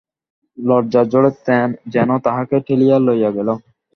লজ্জার ঝড়ে যেন তাহাকে ঠেলিয়া লইয়া গেল।